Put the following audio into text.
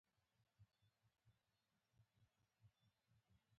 حميد کونج ته پر زاړه ليمڅي کېناست.